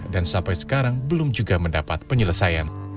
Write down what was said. dan sampai sekarang belum juga mendapatkannya